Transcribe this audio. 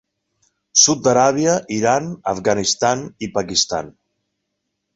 Sud d'Aràbia, Iran, Afganistan i Pakistan.